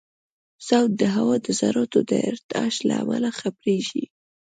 صوت د هوا د ذراتو د ارتعاش له امله خپرېږي.